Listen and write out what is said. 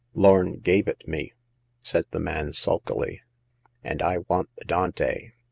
Lorn gave it me," said the man, sulkily, and I want the Dante